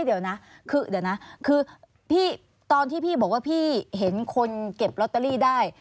เดี๋ยวนะคือตอนที่พี่บอกว่าพี่เห็นคนเก็บลอตเตอรี่ได้